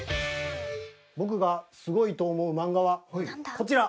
僕がすごいと思う漫画はこちら！